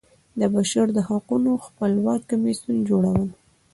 د بشر د حقوقو خپلواک کمیسیون جوړول.